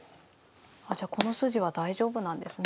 あじゃあこの筋は大丈夫なんですね。